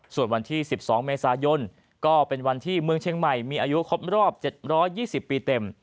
ส่วนวันที่๑๒เมษายนก็เป็นวันที่เมืองเชียงใหม่มีอายุครบรอบ๗๒๐ปีเต็ม